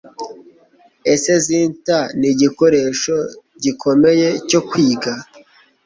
Ese zither nigikoresho gikomeye cyo kwiga?